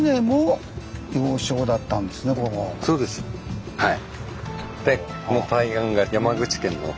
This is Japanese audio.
そうですはい。